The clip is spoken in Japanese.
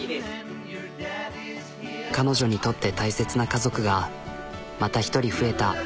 彼女にとって大切な家族がまた一人増えた。